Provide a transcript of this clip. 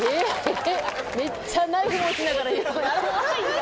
めっちゃナイフ持ちながら、喜んでる。